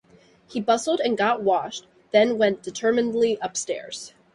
He bustled and got washed, then went determinedly upstairs.